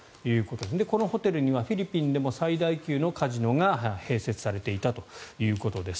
このホテルにはフィリピンでも最大級のカジノが併設されていたということです。